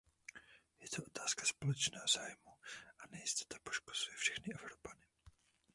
Je to otázka společného zájmu a nejistota poškozuje všechny Evropany.